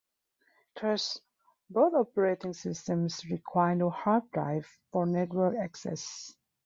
Thus, both operating systems require no hard drive or network access.